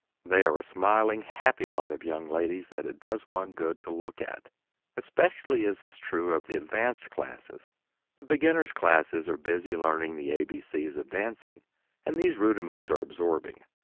They are a smiling happy lot of young ladies that it does one good to look at. Especially is this true of the advanced classes; the beginners' classes are busy learning the A, B, C's of dancing, and these rudiments are absorbing.